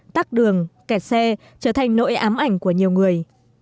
tắt đường kẹt xe trở thành nỗi ám ảnh của nhiều người